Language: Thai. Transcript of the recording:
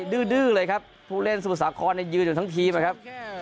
ดื้อเลยครับผู้เล่นสมุทรสาครยืนอยู่ทั้งทีมนะครับ